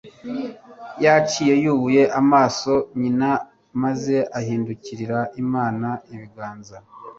Yancey yubuye amaso nyina maze ahindukirira Imana ibiganza.